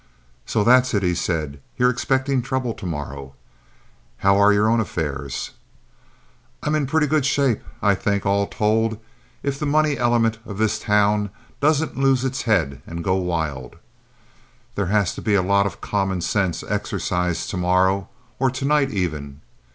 "So that's it," he said. "You're expectin' trouble to morrow. How are your own affairs?" "I'm in pretty good shape, I think, all told, if the money element of this town doesn't lose its head and go wild. There has to be a lot of common sense exercised to morrow, or to night, even.